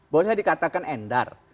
boleh dikatakan endar